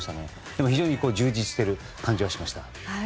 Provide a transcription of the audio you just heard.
でも、非常に充実している感じはしました。